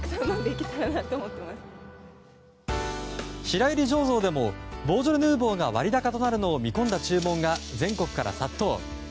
白百合醸造でもボージョレ・ヌーボーが割高となるのを見込んだ注文が全国から殺到。